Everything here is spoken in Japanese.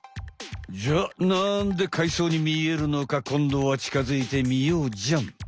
じゃあなんで海藻に見えるのかこんどはちかづいて見ようじゃん！